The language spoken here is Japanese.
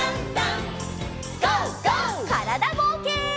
からだぼうけん。